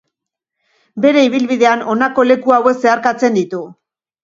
Bere ibilbidean honako leku hauek zeharkatzen ditu.